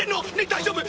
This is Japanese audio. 大丈夫？